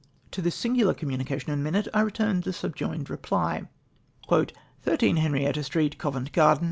To this singular communication and minute I re turned the subjoined reply: —" 13, Henrietta Street, Covent Garden.